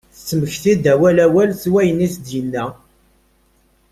Tettmekti-d awal awal seg wayen i as-d-yenna.